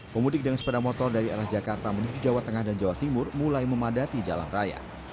pemudik dengan sepeda motor dari arah jakarta menuju jawa tengah dan jawa timur mulai memadati jalan raya